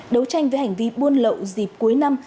đấu tranh với hành vi buôn lậu dịp cuối năm